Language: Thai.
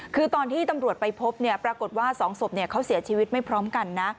คือตอนที่ตำรวจไปพบปรากฏว่า๒ศพเขาเสียชีวิตไม่พร้อมกันนะ